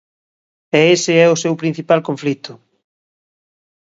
E ese é o seu principal conflito.